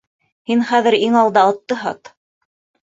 Һин хәҙер иң алда атты һат.